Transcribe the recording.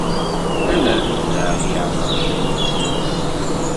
Ala lexdeɛ, i iɛemren timetti ass-a?